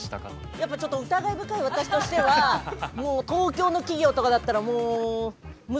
やっぱちょっと疑い深い私としては東京の企業とかだったらもう難しいです。